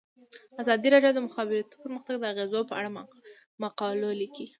ازادي راډیو د د مخابراتو پرمختګ د اغیزو په اړه مقالو لیکلي.